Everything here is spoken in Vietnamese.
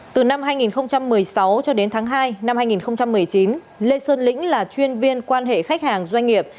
từ năm hai nghìn một mươi sáu cho đến tháng hai năm hai nghìn một mươi chín lê sơn lĩnh là chuyên viên quan hệ khách hàng doanh nghiệp